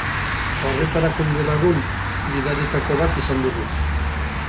Horretarako bidelagun, gidarietako bat izan dugu.